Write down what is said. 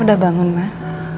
udah bangun mah